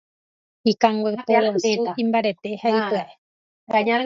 Ikangue poguasu imbarete ha ipyaʼe.